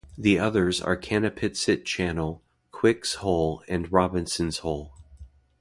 The others are Canapitsit Channel, Quick's Hole and Robinson's Hole.